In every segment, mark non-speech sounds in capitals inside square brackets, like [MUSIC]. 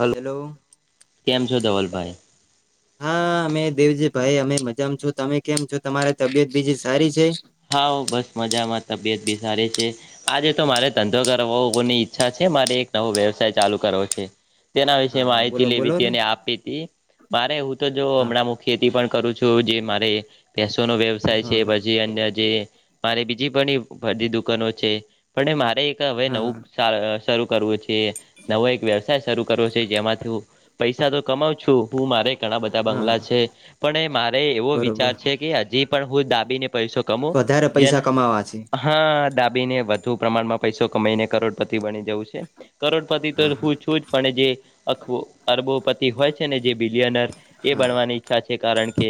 Hello hello. કેમ છો ધવલભાઈ? હા, અમે દેવજી ભાઈ અમે મજામાં છું તમે કેમ છો તમારે તબિયત બીજી સારી છે? હા હુ બસ મજામાં તબિયત બી સારી છે. આજે તો મારે ધંધો કરોવોવની ઈચ્છા છે મારે એક નવો વ્યવસાય ચાલુ કરવો છે. તેના વિશે હા હા માહિતી બોલો લેવી બોલો તી ને અને આપી તી. મારે હું તો જો હા હમણાં હું ખેતી પણ કરું છું જે મારે, પેસોનો વ્યવસાય છે હા હા પછી જે અન્ય જે મારે બીજી પણી બધી દુકાનો છે, પણ મારે એક હવે હા નવું હા ચાઅ શરૂ કરવું છે, નવો એક વ્યવસાય શરૂ કરવું છે જેમાંથી હું પૈસા તો કમાવ છું હું મારે ઘણા બધા હા બંગલા હા છે. પણે મારે એવો વિચાર બરોબર છે કે હજી પણ હું ડાબીને પૈસો કમો, વધારે જેને પૈસા કમાવા છે અં હા ડાબીને વધુ પ્રમાણમાં પૈસો કમાઈને કરોડપતિ બની જવું છે. કરોડપતિ તો હા હા હું છું જ પણ જે આખું અરબો પત તી હોય છે ને જે બિલ્યેનર એ હા બનવાની ઈછા છે કારણ કે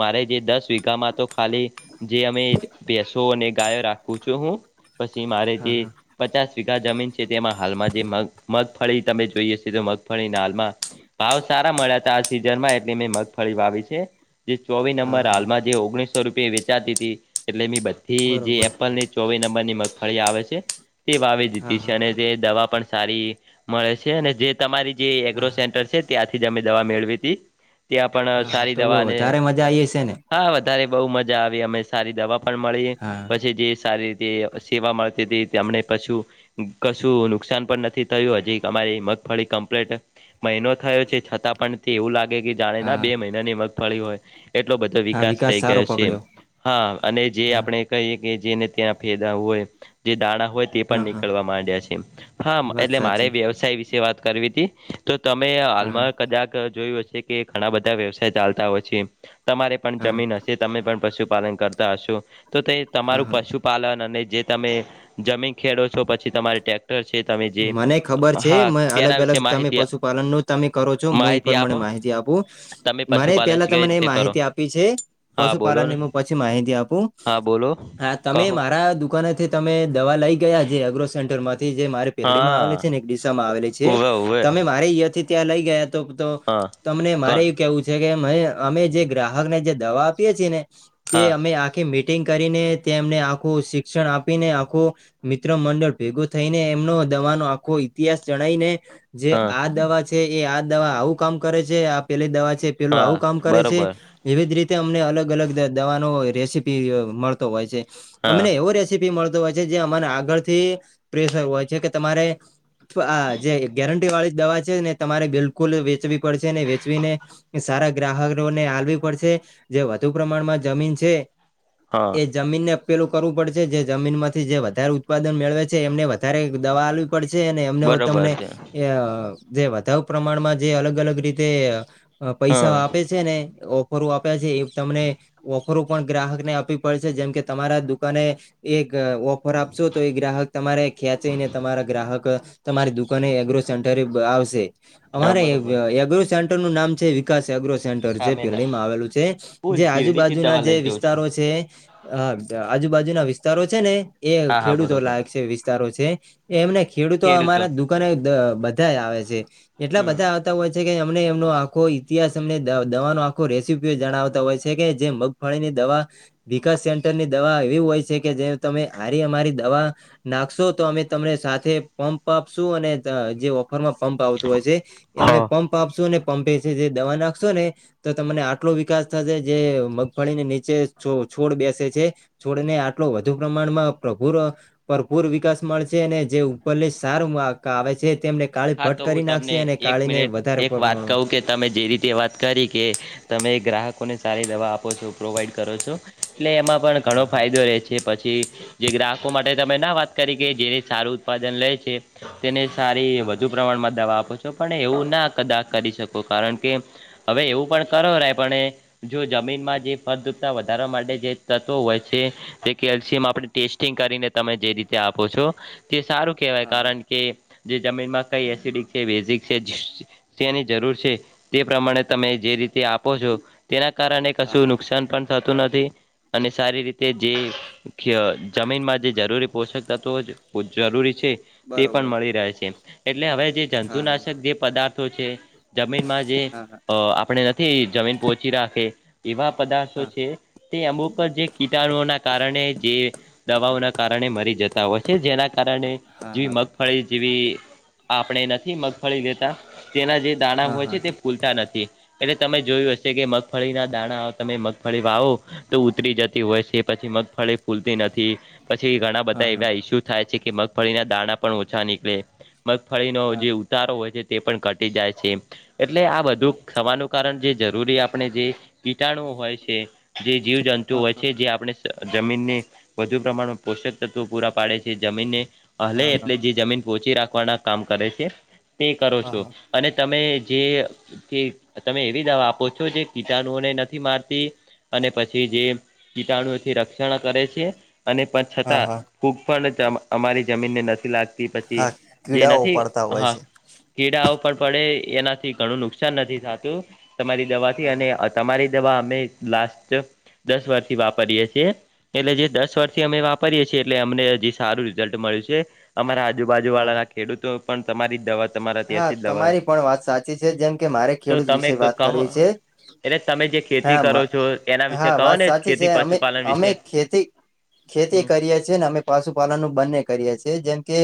મારે જે દસ વીઘામાં તો ખાલી જે અમે બેસો અને ગાયો રાખું છું હું, પછી મારે જે હા હા પચાસ વીઘા જમીન છે, તેમાં હાલમાં જે મગ મગફળી તમે જોઈએ સિ તો મગફળીના હાલમાં ભાવ સારા મળ્યા તા આ સિઝનમાં એટલે મેં મગફળી વાવી છે, જે ચોવી હા નંબર હા હાલમાં જે ઓગણીસો રૂપે વેચાતી તી એટલે બધી જે બરોબર એપલ ની ચોવી નંબરની મગફળી આવે છે, તે વાવી હા દીધી છે હા અને જે દવા પણ સારી મરે છે, અને જે તમારી જે એગ્રો હા હા સેન્ટર છે ત્યાંથી જ અમે દવા મેળવી તી ત્યાં પણ હા હા સારી તો બહુ દવા અને વધારે મજા આઈ હશે ને હા વધારે બો મજા આવી અમે સારી દવા પણ મળી, હા પછી જે સારી તે સેવા મળતી તે અમને પશુ કશું નુકસાન પણ નથી થયું હજી અમારી મગફળી કમ્પ્લેટ મૈનો થયો છે છતાં પણ તે, એવું લાગે કે જાણે ના હા બે મૈના ની મગફળી હોય એટલો બધો હા વિકાસ થઈ સારો ગયો છે એમ પકડ્યો હા અને જે હા આપણે કૈયે કે જેને ત્યાં ફેદા હોય, જે દાણા હોય તે હા પણ હા નીકળવા માંડ્યા છે, હા વાત એટલે મારે સાચી વ્યવસાય વિશે વાત કરવી તી તો તમે હા હા હાલમાં કદાક જોયું હશે કે ઘણા બધા વ્યવસાય ચાલતા હોય છે એમ તમારે પણ હા જમીન અશે, તમે પણ પશુપાલન કરતા અશો તો તે હા તમારું હા પશુ પાલન અને જે તમે જમીન ખેડો છો પછી તમારે ટેક મને ખબર છે મે અલગ તેના વિશે અલગ તમે માહિતી પશુપાલન નું તમે કરો છો મુું માહિતી પર માણે આપો માહિતી આપો, તમે મારે પશુપાલન પેલા કેવી તમને એ રીતે કરો માહિતી આપી છે હા બોલો પશુપાલનને ને મુ પજ ચી માહિતી આપુ, હા બોલો હા તમે કહો મારા દુકાને થી તમે દવા લઈ ગયા જે અગ્રો સેન્ટરમાંથી જે મારે પેરડી માં આવેલું હા છે ને એક દિશામાં આવેલી છે, ઉવે ઉવે તમે મારે અંયા થી ત્યાં લઈ ગયા તો તો હા તમને મારે કોણ એ કેવું છે કે મેં અમે જે ગ્રાહકને જે દવા આપીએ છી ને તે હા અમે આખી મીટિંગ કરીને તેમને આખું શિક્ષણ આપીને આખું મિત્ર મંડળ ભેગું થઈને એમનું દવાનો આખો ઈતિહાસ જણાઈ ને જે હા આ દવા તે એ આ દવા આવું કામ કરે છે, આ પેલી દવા છે પેલું હા આવું કામ કરે છે બરોબર વિવિધ રીતે અમને અલગ અલગ દ દવાનો રેસીપી અ મળતો હોય છે, હા અમને એવો રેસ થીપી મળતો હોય છે જે અમને આગળથી પ્રેસ હોય છે કે તમારે થ્વ આ જે ગેરંટી વાળી જ દવા છે, ને તમારે બિલકુલ વેચવી પડશે ને વેચવીને સારા ગ્રાહરોને હાલવી પડશે, જે વધુ પ્રમાણમાં જમીન છે હા. જમીન ને પેલું કરવું પડશે, જે જમીન માંથી જે વધારે ઉત્પાદન મેળવે છે એમને વધારે દવા હાલવી પડશે, અને એમને હું બરોબર તમને છે ઈ અ જે વધાવ પ્રમાણમાં જે અલગ અલગ રીતે અ પૈસા હા આપે જ છે ને ઓફરો આપ્યા છે એ તમને ઓફરો પણ ગ્રાહક ને આપવી પડશે, જેમ કે તમારા દુકાને એક ઓફર આપશો તો એ ગ્રાહક તમારે ખ્યાત જઈને તમારા ગ્રાહક તમારી દુકને એગ્રો સેન્ટર આવશે હા અમારે બરોબર એગ્ર સેન્ટર નું નામ છે વિકાસ એગ્રો સેન્ટર હા જે મેં ના પેરડીમાં આવેલું છે ફૂલ જે શીરડી થી જ આજુબાજુના દવા જે લઈ જઉં છું વિસ્તારો છે હા આજુબાજુ ના વિસ્તારો છે ને એ હા હા ખેડૂતો બરોબર લાયક છે વિસ્તારો છે એમને ખેડૂતો અમારા દુકાને બધા આવે છે એટલા હમ બધા હોય છે કે અમને એમનો આખો ઇતિહાસ અમને દવાનો આખો રેસીપી જણાવતા હોય છે કે જે મ ગફળી ને દવા વિકાસ સેન્ટરની દવા એવી હોય છે કે જે તમે આરી અમારી દવા નાખશો તો અમે તમને સાથે પંપ આપશું અને જે ઓફરમાં પંપ આવતું હોય છે એ અમે હા પંપ આપશો ને પંપે છે જે દવા નાખશો ને તો તમને આટલો વિકાસ થશે જે મગફળીને નીચે છોડ બેસે છે છોડને આટલો વધુ પ્રમાણમાં પ્રભુ ભરપૂર વિકાસ મળશે ને જે ઉપર ની સારંક આવે છે તેમને કાળી હા ભટ્ટ તો હું કરી તમને નાખશે અને એક કાળીને મિનિટ વધારે એક વાત પ્રમાણ કહું કે તમે જે રીતે વાત કરી કે તમે ગ્રાહકોને સારી દવા આપો છો પ્રોવાઈડ કરો છો એટલે એમાં પણ ઘણો હા હા ફાયદો રહેે છે પછી જે ગ્રાહકો માટે તમે ના વાત કરી કે જેને સારું ઉત્પાદન લે છે તેને સારી વધુ હા દવા આપો છો પણ એવું ના કદાચ કરી શકો કારણ કે હવે એવું પણ કરો ર પણ એ જો જમીનમાં જે ફળદ્રપતા વધાર વા માટે તત્વ હોય છે જે કેલ્શિયમ આપણે ટેસ્ટિંગ કરીને તમે જે રીતે આપો છો તે સારું કહેવાય હા હા હા કારણ કે જે જમીનમાં કઈ એસિડિક છે વેઝિક છે ની જરૂર છે તે પ્રમાણે તમે જે રીતે આપો છો તેના કારણે હા કશું હા નુકસાન પણ થતું નથી અને સારી રીતે જે જમીનમાં જે જરૂરી પોષક તત્વ જ જરૂરી છે તે પણ બરોબર મળી રહે છે એટલે હવે જે હા હા જંતુનાશક જે પદાર્થો છે જમીનમાં જે હા અ આપણે નથી જમીન પહોચી રાખે એવા પદાર્થો હા છે તે અમુક જે કીટણુના કારણે જે દવાઓના કારણે મરી જતા હોય છે જેના કારણે હા જેવી હા હા મગફળી જેવી આપણે નથી મગફળી લેતા તેના જે દાણા હા હોય હા હા હા છે તે ફૂલતા નથી એટલે તમે જોયું હશે કે મગફળી ના દાણા તમે મગફળી વાવો તો ઉતરી જતી હોય છે પછી મગફળી ફૂલતી નથી પછી ઘણા હા હા હા બધા હા હા હા એવા ઇસ્યુ થાય છે કે મગફળીના દાણા પણ ઓછા નીકળે ફળીનો જે ઉતારો હોય છે તે પણ ઘટી જાય છે એટલે આ બધું થવાનું કારણ જે જરૂરી આપણે જે કીટાણુ હોય છે જે જીવજંતુઓ હોય છે જે આપણે જમીનને વધુ પ્માણ પોષક તત્વો પૂરા પાડે છે જમીનને હલે એટલે જે જમીન પોહોચી રાખવાના કામ કરે છે તે કરો હા છો અને તમે જે તમે એવી દવા આપો છો જે કીટણુઓને નથી મારતી અને પછી જે કીતાણુથી રક્ષણ કરે છે અને પણ હા છતાં હા કોુક પણ અમારી જમીન ને નથી લાગતી પછી હા જે ના કીડાઓ થી પડતા હોય હા છે કીડાઓ પણ પડે એનાથી ઘણું નુકસાન નથી થતું તમારી દવાથી હા હા અને તમારી દવા અમે લાસ્ટ દસ વર્ષથી વાપરીએ છીએ એટલે જે દસ હા વર્ષથી અમે વાપરીએે છીએ એટલે અમને જે સારું રિઝલ્ટ મળ્યું છે અમારા આજુબાજુ હા વાળા ના ખેડૂતો પણ તમારી દવા તમારા હા ત્યાંથી જ દવા તમારી પણ વાત સાચી છે જેમ કે મારે તો ખેડૂત તમે વિશે કહો વાત કરવી છે. એટલે તમે જે ખેતી કરો હા છો એના વિશે હા કહો વાત ને સાચી છે ખેતી અમે પશુપાલન અમે વિશે ખેતી, ખેતી હમ કરીએ છીએને અમે, પશુપાલનું બંને કરીએ છીએ જેમ કે,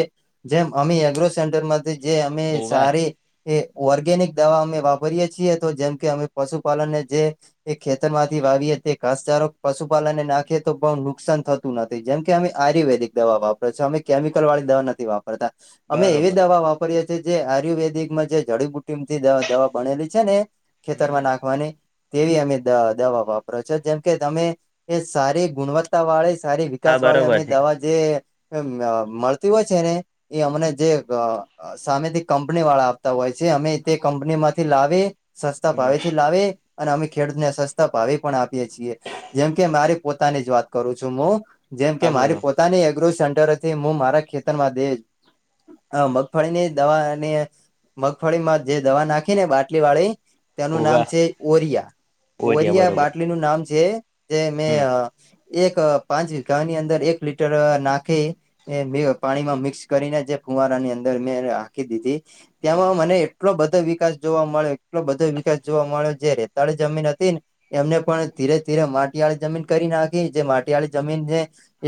જેમ અમે એગ્રો સેન્ટરમાંથી જે મે હોવે સારી. એ ઓર્ગેનિક દવા અમે વાપરીએે છીએ, તો જેમ કે અમે પશુપાલનને જે એ ખેતરમાંથી વાવીએ તે ઘાસચારો પશુપાલનને નાખે તો પણ નુકસાન થ તું નથી, જેમ કે અમે આયુર્વેદિક દવા વાપરી છે, અમે કેમિકલવાળી દવા નથી વાપ પરતા અમે એવી બરોબર દવા વાપરીએ જે-જે આયુર્વેદિકમાં જે જડીબુટીમથી દવા-દવા બનેલી છે ને, ખેતરમાં હમ નાખવાની. તેવી અમે દવા-દવા વાપરો છો, જેમકે તમે એ સારી ગુણવત્ત તા વાળી સારી હા વિકાસવાળી બરોબર અમે છે દવા જે અ-મળતી હોય છે ને. એ અમને હમ જે ગ-અ સામેથી કંપનીવાળા આપતા હોય છે, અમે તે કંપનીમાંથી લાવી સસ્તા ભાવેથી લાવી. અને અમે ખેડૂતને સસ્તા ભાવે પણ આપીએ છીએ, જેમ કે મારી પોતાની જ વાત કરું છું હું જેમ કે હા મારી બોલો પોતાની એગ્રો સેન્ટર હતી હું મારા ખેતરમાંથી, દે આ મગ ફળીની દવા અને મગફળીમાં જે દવા નાખી ને બાટલીવાળી. તેનું હોવે નામ છે ઓરિયા, ઓરિયા બાટલી નું નામ છે, તે મેં હમ અ એક પાંચ વીઘાની અંદર એક લીટર નાખી એ મેં પાણીમાં મિક્સ કરીને જે ફુવારાની અંદર મેં એને આખી દીધી, હમ ત્યામાં મને એટલો બધો વિકાસ જોવા મળે, એટલો બધો વિકાસ જોવા મળે, જે રેતાળ જમીન અતી ને એમને પણ ધીરે-ધીરે માટીઆળી જમીન કરી નાખી, જે માટીઆળી જમીન છે.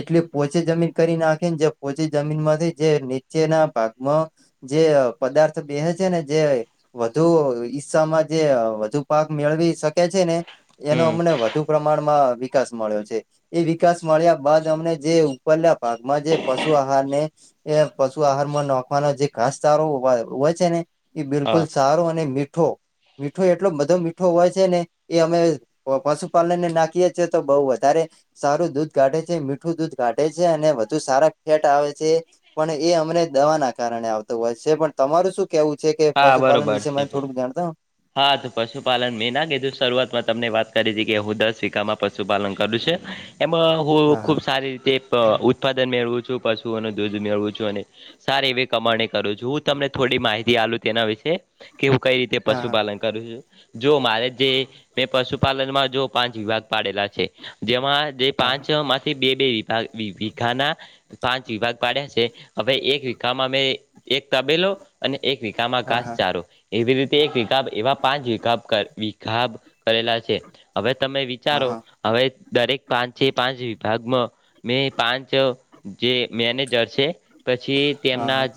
એટલી પોચી જમીન કરી નાખી, ને જે પોચી જમીનમાંથી જે નીચેના ભાગ મ જે અ પદાર્થ બેહે છે ને જે વધુ ઈસ્સામાં જે અ વધુ પાક મેળવી શકે છે, ને એનો હમ અમને વ ધુ પ્રમાણમાં વિકાસ મળ્યો છે. એ વિકાસ મળ્યા બાદ, અમને જે ઉપરના ભાગમાં જે પશુ આહારને એ પશુ આહારમાં નોખવાનો જે ઘાસચારો હોય-હોય છે ને ઈ બિલકુલ હા સારો અને મીઠો, મીઠો એટલો બધો મીઠો હોય છે ને, એ અમે તો પશુપાલનને નાખીએ છીએ તો બહુ વધારે સારું દૂધ કાઢે છે, મીઠું દૂધ કાઢે છે અને વધુ સારા ફેટ આવે છે. પણ એ અમને દવા નાખ કારણે આવતા હોય છે, પણ તમારું શું કેવું છે કે હા પશુપાલન બરોબર વિશે મને છે. થોડુંક જાણતા હો? હા, તો પશુપાલન મેં ના કીધું શરૂઆતમાં તમને વાત કરી તી કે, હું દસ વિઘામાં પશુપાલન કર્યું છે. એમાં હું હા ખૂબ સારી રીતે પ-ઉત્પાદન મેળવું છું, પશુઓનું દૂધ મેળવું છું અને સારી એવી કમાણી કરું છું, હું તમને થોડી માહિતી હાલું તેના વિશે, કે હું કઈ રીતે હા પશુપાલન કર્યું છે જો મારે જે મે પશુપાલનમાં જો પાંચ વિભાગ પાડેલા છે. જેમાં જે હા પાંચમાંથી બે બે વિભાગ વિ વિઘાનાં પાંચ વિભાગ પાડ્યા છે, અવે એક વિઘામાં મે એક તબેલો અને એક વિઘામાં હા હા હા ઘાસચારો એવી રીત તે એક વિઘાબ એવા પાંચ વિઘાબ કરે વિઘાબ કરેલા છે, અવે તમે હા હા વિચારો હા અવે દરેક પાંચે-પાંચ વિભાગમાં મેં પાંચ જે મેનેજર છે. પછી હા તેમના હા જ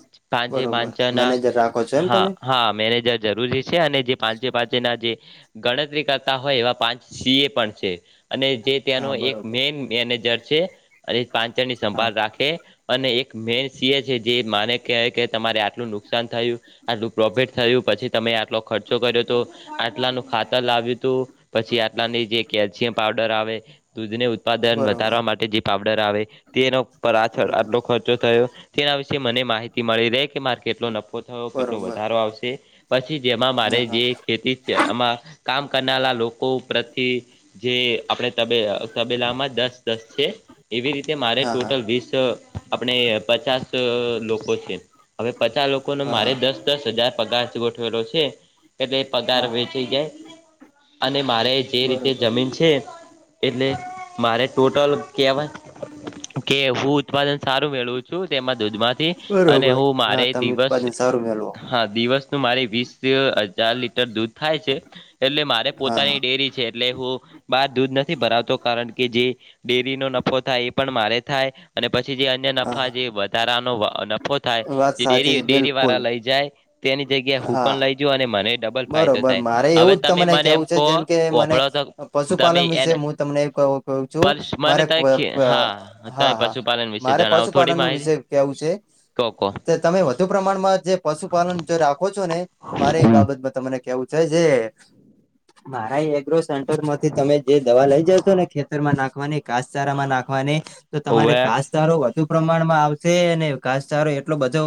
બરોબર પાચે-પાંચના, મેનેજર રાખો છો એમ હા, તમે હા, મેનેજર જરૂરી છે, અને તે પાંચે-પાંચના જે ગણતરી કરતા હોય એવા પાંચ સી. એ. પણ છે. અને જે ત્યાંનો હા એક બરોબર મેન મેનેજર છે, અને પાંચ જણની હા સંભાળ રા કે અને એક મેન સી. એ. છે, જે માને કેહે કે તમારે આટલું નુકસાન થયું. આટલું પ્રોફિટ થયું પછી તમે આટલો ખર્ચો કર્યો હતો, આટલાનું ખાતર લાવ્યું હતું, પછી આટલાની જે કેલ્શિયમ પાવડર આવે, દૂધને ઉત્પાદન બરોબર વધારવા માટે જે પાવડર આવે, તેનો પર આ હમ આટલો ખર્ચો થયો તેના વિશે મને માહિતી મળી રહે કે મા કેટલો ન થયો કેટલો બરોબર વધારો આવશે, પછી જેમાં મારે હા હા જે તેથી છે એમાં કામ કરનારા લોકો પ્રત્યે જે આપણે, તબે તબેલામાં દસ દસ છે એવી રીતે મારે હા હા ટોટલ વીસ, આપણે પચાસ લોકો છે હવે પચાસ લોકો ને હા મારે હા દસ, દસ હજાર પગાર ગોઠવેલો છે એટલે પગાર હા હા વેચાય જાય. અને મારે જે રીતે બરોબર જમીન છે. એટલે મારે ટોટલ કેવાય. કે હું ઉત્પાદન સારું મેળવું છું તેમાં દૂધ માંથી. અને બરોબર હું હા મારે તમે દિવસ, ઉત્પાદન સારું મેળવો હા દિવસનું મારી વીસ હજાર લીટર દૂધ થાય છે. એટલે મારે હા પોતાની હા ડેરી છે. એટલે હું બહાર દૂધ નથી ભરાવતો કારણ કે જે ડેરીનો નફો થાય એ પણ મારે થાય. અને પછી જે અન્ય નફા હા જે વધારાનો નફો થાય વાત જે સાચી ડેરી છે ડેરી બિલકુલ વાળા લઈ જાય. જગ્યા હું હા પણ લઈ. જઉં અને મને ડબલ ફાયદો બરોબર થાય મારે હવે એવું જ તમે તને મને એમ કેવું છે કહો જેમ કે મને, વપડો તો તમે પશુપાલન વિશે એને હું તમને એવું ક કું છું પલ્સ મારે મને ત પ પ હા હા તમે હા, પશુપાલન વિશે મારે પશુપાલન નું વિષય કેવું છે. કોકો, તો તમે વધુ પ્રમાણમાં જે પશુપાલન જો રાખો છો ને મારે એ બાબત મ તમને કેવું છે જે, [INAUDIBLE] મારા એગ્રો સેન્ટર માંથી તમે જે દવા લઇ જશો ને ખેતરમાં નાખવાની, ઘાસચારામાં નાખવાની. તો તમારે ઓવે. ઘાસચારો વધુ પ્રમાણમાં આવશે અને ઘાસચારો એટલો બધો,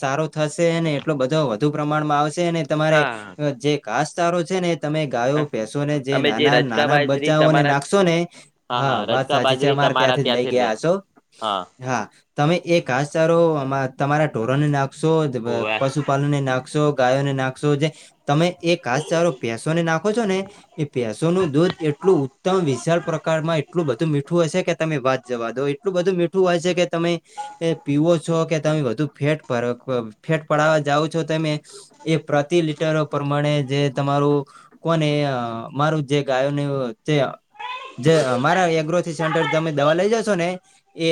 સારો થશે ને એટલો બધો વધુ પ્રમાણમાં આવશે ને, તમારે હા જે ઘાસ ચારો છે ને તમે, ગાયો ભેસો ને જે અમે નાના રજકા નાના બાજરી બચ્ચાઓને તમારા નાખશો ને હા વાત. રજકા જે છે બાજરી અમારે તમારા ત્યાંથી જ લઈ લે ગયા હસો. હા તમે એ ઘાસચારો તમારા ઢોરો ને નાખશો હોવે પશુ, પાનને નાખશો ગાયોને નાખશો જે તમે એ ઘાસચારો ભેંસોને નાખો છો ને, એ ભેંસોનું દૂધ એટલું ઉત્તમ વિશાળ પ્રકારમાં એટલું બધું મીઠું હશે કે તમે વાત જવા દો. એટલું બધું મીઠું હોય છે કે તમે, એ પીવો છો કે તમે વધુ ફેટ ફેટ પડાવવા જાવ છો તમે, એ પ્રતિ લીટર, પ્રમાણે જે તમારું કોને મારું જે ગાયોને જે, જે અમારા એગ્રોથી સેન્ટર તમે દવા લઈ જશો ને એ,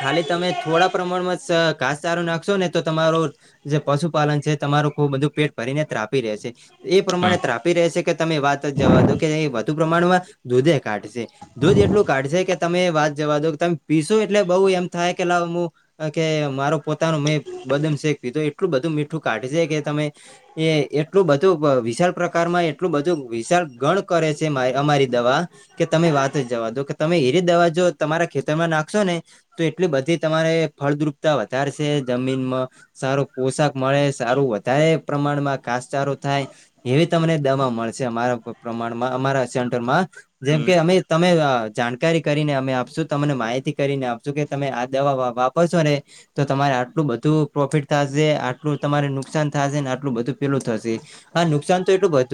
ખાલી તમે થોડા પ્રમાણમાં ઘાસચારો નાખશો ને તો તમારું, જે પશુપાલન છે તમારું ખુ બધું પેટ, ભરીને ધ્રાપી રહે છે એ પ્રમાણે ધ્રાપી રહે છે કે તમે વાત જ જવા દો કે વધુ પ્રમાણમાં, દૂધે કાઢશે દૂધ એટલું કાઢશે કે તમે વાત જવા દો કે તમે, પીસું એટલે બઉુ એમ થાય કે લું કે મારો પોતાનો મેં બદામ શેખ, પિધું એટલું બધું મીઠું કાઢ છે કે તમે, એ એટલું બધું વિશાળ પ્રકારમાં એટલું બધું વિશાળ ગણ, કરે છે અમારી દવા કે તમે વાત જ જવા દો કે તમે હીરે દવા જો, તમારા ખેતરમાં નાખશો ને, તો એટલી બધી તમારે ફળદ્રુપ વધારસે છ જમીનમાં, સારું પોશાક મળે સારું વધારે પ્રમાણમાં ઘાસચારો થાય એવી તમને દવા મળશે અમારા પ્રમાણમાં અમારા સેન્ટરમાં. જેમ હમ કે અમે તમે જાણકારી કરીને અમે આપશું તમને માહિતી કરીને આપશું કે તમે આ દવા વાપરશો ને. તો તમારે આટલું બધું પ્રોફિટ થશે આટલું તમારે નુકસાન થશે ને આ એટલું બધું પેલું થશે, અન નુકસાન તો એટલું બધું